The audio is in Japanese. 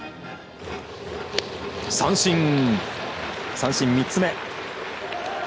三振、３つ目。